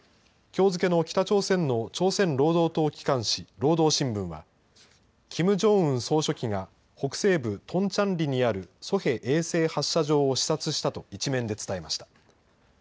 きょう付けの北朝鮮の朝鮮労働党機関紙、労働新聞は、キム・ジョンウン総書記が、北西部トンチャンリにある、ソヘ衛星発射場を視察したと１面で伝えました。